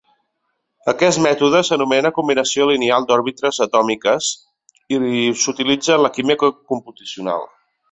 Aquest mètode s'anomena combinació lineal d'òrbites atòmiques i s'utilitza en la química computacional.